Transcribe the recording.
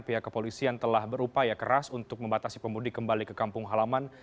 pihak kepolisian telah berupaya keras untuk membatasi pemudik kembali ke kampung halaman